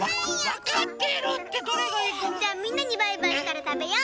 じゃあみんなにバイバイしたらたべよう。